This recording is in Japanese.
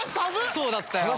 そうだったよ。